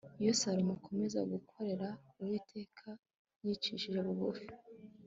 iyo salomo akomeza gukorera uwiteka yicishije bugufi